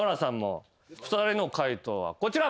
２人の解答はこちら。